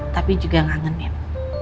tapi juga ngangenin